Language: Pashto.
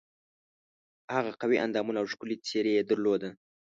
هغه قوي اندامونه او ښکلې څېره یې درلوده.